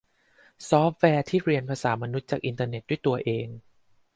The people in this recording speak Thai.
ซอฟต์แวร์ที่เรียนภาษามนุษย์จากอินเทอร์เน็ตด้วยตัวเอง